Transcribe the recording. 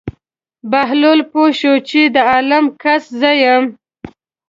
بهلول پوه شو چې د عالم قصد زه یم.